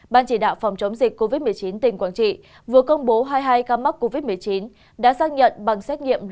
ban chỉ đạo phòng chống dịch covid một mươi chín tỉnh quảng trị vừa công bố hai mươi hai ca mắc covid một mươi chín đã xác nhận bằng xét nghiệm